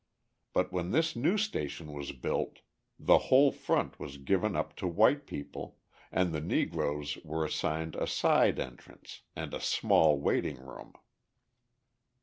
But when this new station was built the whole front was given up to white people, and the Negroes were assigned a side entrance, and a small waiting room.